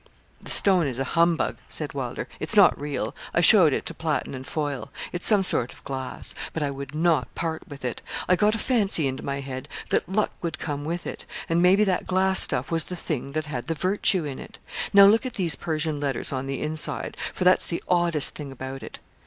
'The stone is a humbug,' said Wylder. 'It's not real. I showed it to Platten and Foyle. It's some sort of glass. But I would not part with it. I got a fancy into my head that luck would come with it, and maybe that glass stuff was the thing that had the virtue in it. Now look at these Persian letters on the inside, for that's the oddest thing about it.